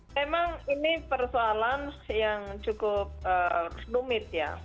memang ini persoalan yang cukup rumit ya